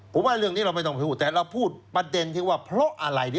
ผมว่าเรื่องนี้เราไม่ต้องพูดแต่เราพูดประเด็นที่ว่าเพราะอะไร